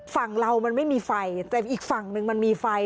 ฝั่งเรามันไม่มีไฟแต่อีกฝั่งหนึ่งมันมีไฟ